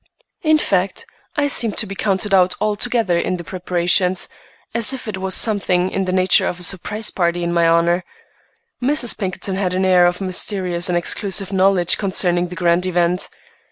In fact, I seemed to be counted out altogether in the preparations, as if it was something in the nature of a surprise party in my honor. Mrs. Pinkerton had an air of mysterious and exclusive knowledge concerning the grand event.